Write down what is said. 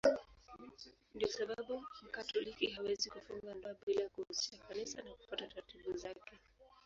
Ndiyo sababu Mkatoliki hawezi kufunga ndoa bila ya kuhusisha Kanisa na kufuata taratibu zake.